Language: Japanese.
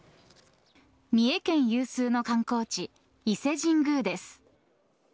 三重県有数の観光地伊勢神宮です。